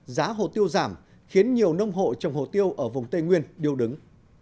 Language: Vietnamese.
giá hồ tiêu giảm khiến nhiều nông hộ trồng hồ tiêu ở vùng tây nguyên điêu đứng